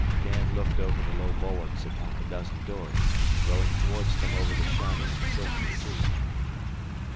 Dan looked over the low bulwarks at half a dozen dories rowing towards them over the shining, silky sea.